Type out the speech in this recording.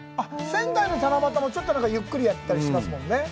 仙台の七夕もゆっくりやったりしますもんね。